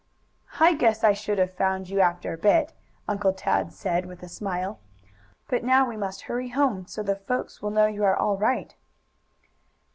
"Oh, I guess I should have found you after a bit," Uncle Tad said, with a smile. "But now we must hurry home, so the folks will know you are all right."